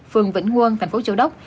phường vĩnh ngươn thành phố châu đốc